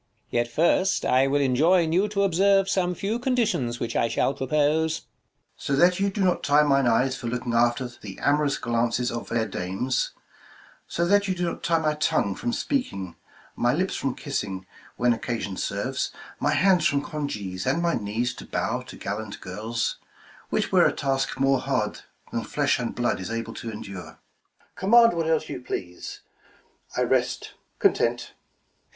Yet first I will enjoin you to observe Some few conditions which I shall propose. Mum. So that you do not tie mine eyes for looking 25 After the amorous glances of fair dames : So that you do not tie my tongue from speaking, My lips from kissing, when occasion serves, My hands from congees, and my knees to bow To gallant girls ; which were a task more hard, 30 Than flesh and blood is able to endure : 1 6 KING LEIR AND [Acr II Command what else you please, I rest content.